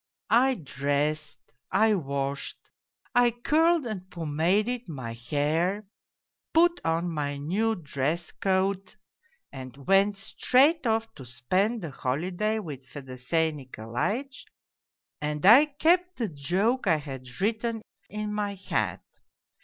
I dressed, I washed, I curled and pomaded my hair, put on my new dress coat and went straight off to spend the holiday with Fedosey Nikolaitch, and I kept the joke I had written in my hat.